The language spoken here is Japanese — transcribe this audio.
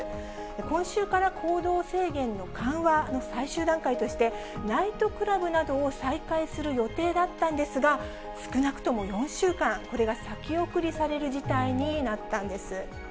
今週から行動制限の緩和の最終段階として、ナイトクラブなどを再開する予定だったんですが、少なくとも４週間、これが先送りされる事態になったんです。